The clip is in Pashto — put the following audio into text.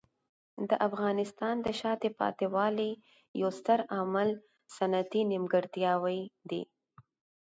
د افغانستان د شاته پاتې والي یو ستر عامل صنعتي نیمګړتیاوې دي.